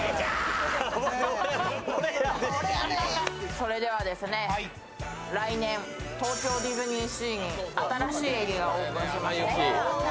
それではですね、来年、東京ディズニーシーに新しいエリアがオープンします。